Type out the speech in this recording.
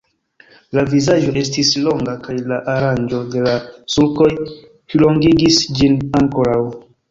La vizaĝo estis longa, kaj la aranĝo de la sulkoj plilongigis ĝin ankoraŭ.